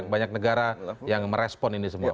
banyak negara yang merespon ini semua